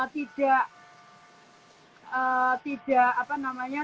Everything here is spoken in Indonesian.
tidak tidak apa namanya